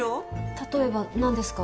例えば何ですか？